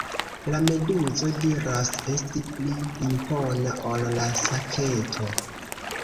La meduzo diras esti pli impona ol la saketo.